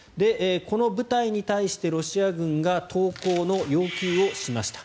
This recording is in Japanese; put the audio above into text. この部隊に対してロシア軍が投降の要求をしました。